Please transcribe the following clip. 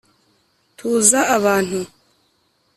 tuza abantu.